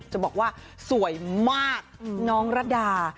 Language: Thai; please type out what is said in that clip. จะบอกว่าสวยมากน้องระดา